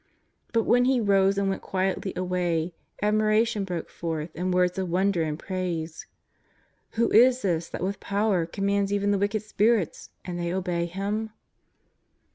But when he rose and went quietly away admiration broke forth in words of wonder and praise: " Who is this that with power commands even the wicked spirits and they obey Him